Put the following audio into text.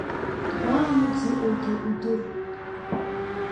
Дгәааны дзыҟоугьы удыруеит.